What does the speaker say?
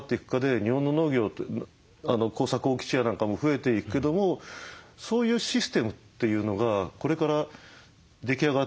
日本の農業って耕作放棄地や何かも増えていくけどもそういうシステムっていうのがこれから出来上がっていく。